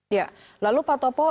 ya lalu pak tunggu